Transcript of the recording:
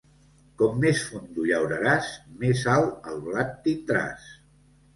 Com més fondo llauraràs, més alt el blat tindràs.